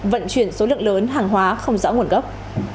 vận chuyển số lượng lớn hàng hóa không rõ nguồn gốc